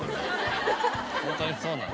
ホントにそうなの。